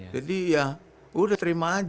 jadi ya udah terima aja